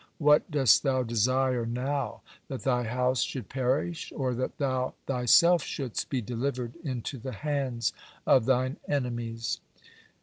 What dost thou desire now—that thy house should perish, or that thou thyself shouldst be delivered into the hands of thine enemies?"